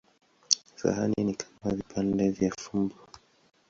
Sahani ni kama vipande vya fumbo.